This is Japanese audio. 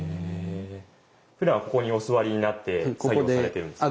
ふだんここにお座りになって作業をされているんですか？